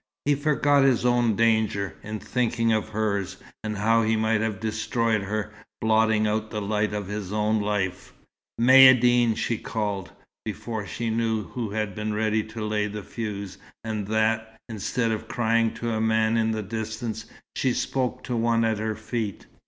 He forgot his own danger, in thinking of hers, and how he might have destroyed her, blotting out the light of his own life. "Maïeddine!" she called, before she knew who had been ready to lay the fuse, and that, instead of crying to a man in the distance, she spoke to one at her feet.